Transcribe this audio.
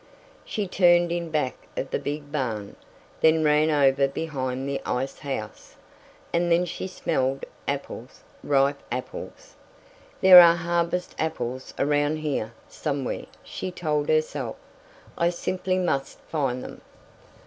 She turned in back of the big barn, then ran over behind the ice house, and then she smelled apples, ripe apples. "There are harvest apples around here, somewhere," she told herself. "I simply must find them."